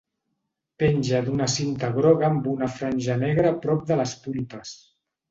Penja d'una cinta groga amb una franja negra a prop de les puntes.